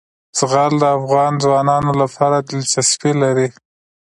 زغال د افغان ځوانانو لپاره دلچسپي لري.